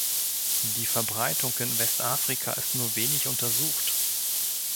Die Verbreitung in Westafrika ist nur wenig untersucht.